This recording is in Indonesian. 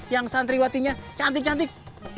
yang santriwatinya cantik cantik